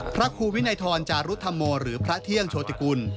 พระครูวินัยทรจารุธโมหรือพระเที่ยงโชติกุล